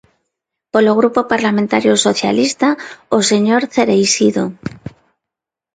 Polo Grupo Parlamentario Socialista, o señor Cereixido.